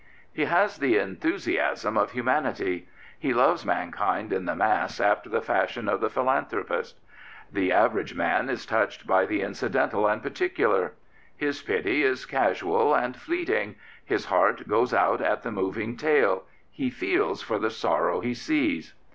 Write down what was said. He has the enthusiasm of humanity. He loves man kind in the mass after the fashion of the philanthropist. The average man is touched by the incidental and particular. His pity is casual and fleeting. His heart goes out at the moving tale; he feels for the sorrow he sees.